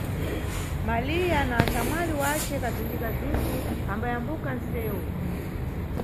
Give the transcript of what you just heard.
Maliya na axamwali wace kazinjikazinji ambayambuka nʼsewu.